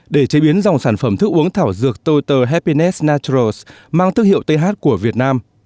để chế biến dòng sản phẩm thức uống thảo dược total happiness naturals mang thức hiệu th của việt nam